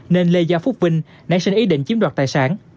nên lê gia phúc vinh nảy sinh ý định chiếm đoạt tài sản